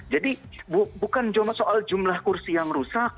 jadi bukan cuma soal jumlah kursi yang rusak